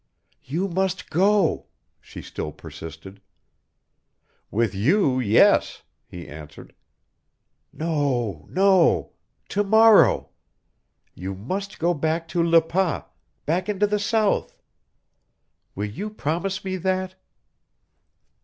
"You must go!" she still persisted. "With you, yes," he answered. "No, no to morrow. You must go back to Le Pas back into the South. Will you promise me that?"